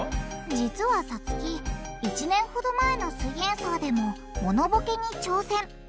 実はさつき１年ほど前の「すイエんサー」でもモノボケに挑戦。